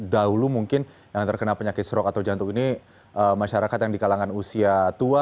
dahulu mungkin yang terkena penyakit strok atau jantung ini masyarakat yang di kalangan usia tua